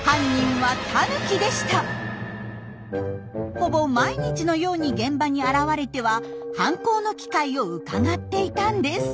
ほぼ毎日のように現場に現れては犯行の機会をうかがっていたんです。